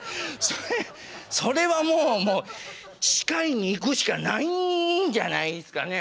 それそれはもう歯科医に行くしかないんじゃないですかね。